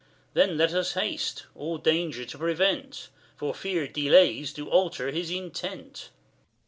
Cam. Then let us haste, all danger to prevent, For fear delays do alter his intent.